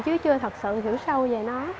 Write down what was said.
chứ chưa thật sự hiểu sâu về nó